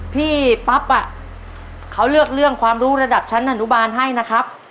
พี่ปั๊บเขาเลือกเรื่องความรู้ระดับชั้นอนุบาลให้นะครับ